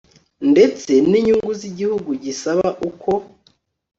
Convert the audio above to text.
ndetse n inyungu z igihugu gisaba uko